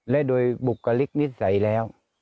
และโดยบุคลิกนิสัยแล้ว